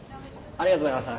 ありがとうございます。